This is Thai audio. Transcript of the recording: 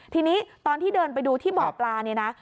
ทีนี้ตอนที่เดินไปดูที่เบาะปลา